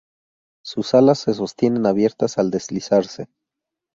Sus alas se sostienen abiertas al deslizarse.